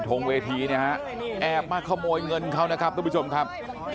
งเวทีเนี่ยฮะแอบมาขโมยเงินเขานะครับทุกผู้ชมครับ